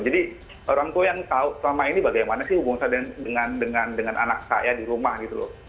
jadi orang tua yang selama ini bagaimana sih hubungan saya dengan anak saya di rumah gitu loh